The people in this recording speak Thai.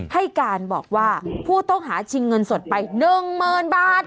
ให้การบอกว่าผู้ต้องหาชิงเงินสดไป๑๐๐๐บาท